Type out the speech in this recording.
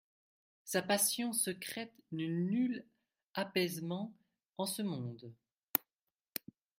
Sa passion secrète n'eut nul apaisement en ce monde.